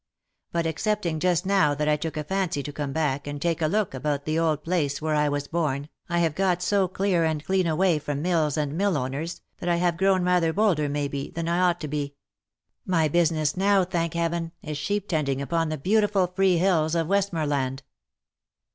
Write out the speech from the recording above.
But excepting just now that I took a fancy to come back, and take a look about the old place where I was born, I have got so clear and clean away from mills and mill owners, that I have grown rather bolder, maybe, than I j ought to be. My business now, thank Heaven ! is sheep tending upon the beautiful free hills of "Westmorland."